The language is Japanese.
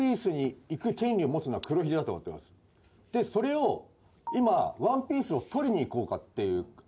でそれを今ワンピースをとりに行こうかっていう。